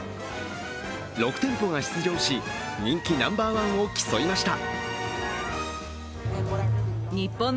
６店舗が出場し、人気ナンバーワンを競いました。